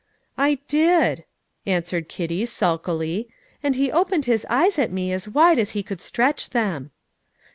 "I did," answered Kitty sulkily; "and he opened his eyes at me as wide as he could stretch them."